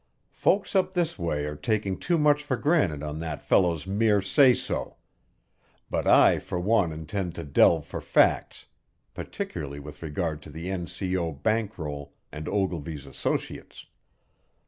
Folks up this way are taking too much for granted on that fellow's mere say so, but I for one intend to delve for facts particularly with regard to the N.C.O. bank roll and Ogilvy's associates.